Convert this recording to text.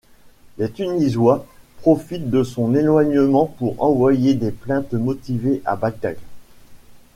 Les Tunisois profitent de son éloignement pour envoyer des plaintes motivées à Bagdad.